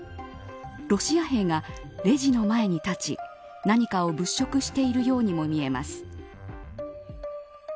ロシア兵がレジの前に立ち何かを物色しているようにも見えます。